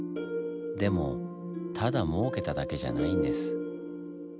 でもただもうけただけじゃないんです。